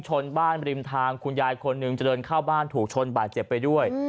ชนบ้านริมทางคุณยายคนหนึ่งจะเดินเข้าบ้านถูกชนบาดเจ็บไปด้วย